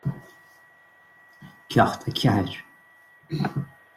Ceacht a Ceathair